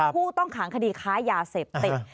ผู้ต้องขังคดีค้ายาเสพติด